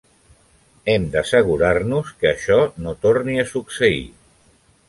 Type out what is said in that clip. Hem de assegurar-nos que això no torni a succeir.